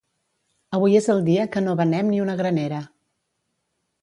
Avui és el dia que no venem ni una granera.